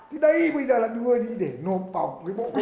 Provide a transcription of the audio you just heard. thế đây bây giờ là đưa đi để nộp vào cái bộ công an